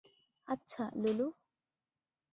আচ্ছা, লুলু।